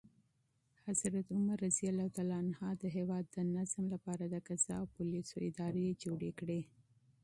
عمر رض د هیواد د نظم لپاره د قضا او پولیسو ادارې جوړې کړې.